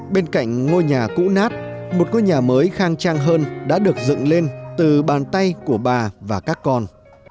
bên cạnh ngôi nhà cũ nát một ngôi nhà mới khang trang hơn đã được dựng lên từ bàn tay của bà và các con